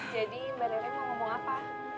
jadi mbak rere mau ngomong apa